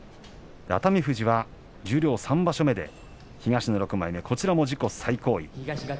熱海富士は十両３場所目で東の６枚目、こちらも自己最高位。